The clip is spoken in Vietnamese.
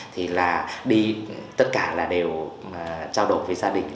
thì là đi tất cả là đều trao đổi với gia đình